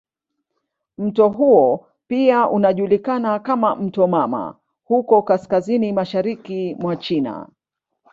Mto huo pia unajulikana kama "mto mama" huko kaskazini mashariki mwa China.